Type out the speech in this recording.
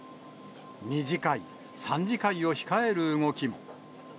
２次会、３次会を控える動きも。